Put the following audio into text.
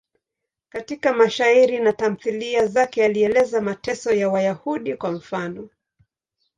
Katika mashairi na tamthiliya zake alieleza mateso ya Wayahudi, kwa mfano.